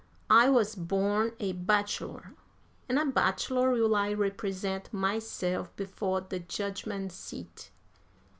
_ I wuz born a bachelor, an' a bachelor will I represent myself befo' de judgment seat.